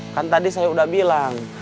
kan tadi saya sudah bilang